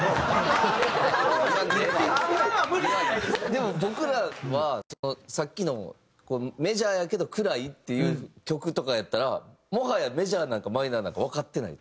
でも僕らはさっきのメジャーやけど暗いっていう曲とかやったらもはやメジャーなのかマイナーなのかわかってない。